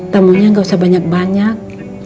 tamunya gak usah banyak banyak